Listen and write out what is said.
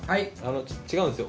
違うんですよ。